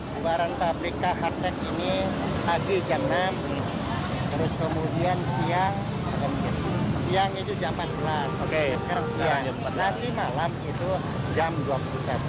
bubaran pabrik k hartek ini pagi jam enam kemudian siang jam empat belas nanti malam jam dua puluh satu jam sembilan